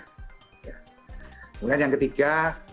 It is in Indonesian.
kemudian yang ketiga